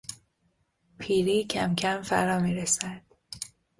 پیری کمکم فرا میرسد.